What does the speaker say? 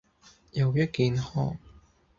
有益健康